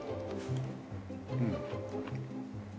うん。